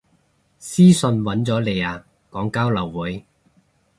私訊搵咗你啊，講交流會